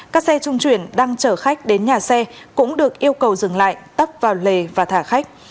các xe trung chuyển đang chở khách đến nhà xe cũng được yêu cầu dừng lại tắp vào lề và thả khách